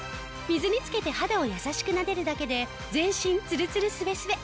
水につけて肌を優しくなでるだけで全身つるつるスベスベ。